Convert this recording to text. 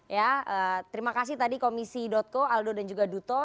ya terima kasih tadi komisi co aldo dan juga duto